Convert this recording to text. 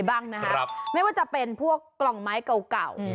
บ้างนะครับไม่ว่าจะเป็นพวกกล่องไม้เก่า